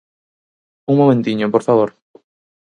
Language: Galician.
Un momentiño, por favor.